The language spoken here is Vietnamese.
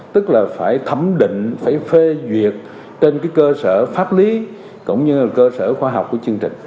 tức là phải thẩm định phải phê duyệt trên cái cơ sở pháp lý cũng như là cơ sở khoa học của chương trình